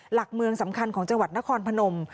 หลักเมืองสำคัญของจังหวัดนครพนม